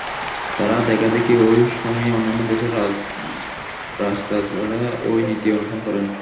তার দেখাদেখি ঐ সময়ে অন্যান্য দেশের রাজরাজড়ারা-ও এই নীতি অনুসরণ করেন।